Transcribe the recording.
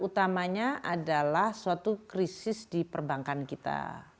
utamanya adalah suatu krisis di perbankan kita